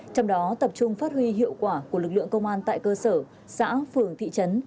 trong đó tập trung phát huy hiệu quả của lực lượng công an tại cơ sở xã phường thị trấn